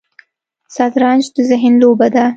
شطرنج د ذهن لوبه ده